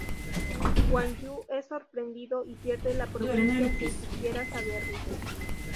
Guan Yu es sorprendido y pierde la provincia sin siquiera saberlo.